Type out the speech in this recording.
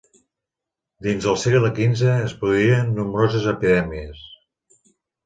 Dins el segle quinze es produïren nombroses epidèmies.